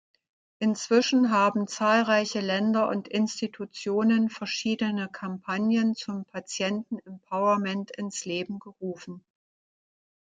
Inzwischen haben zahlreiche Länder und Institutionen verschiedene Kampagnen zum Patienten-Empowerment ins Leben gerufen.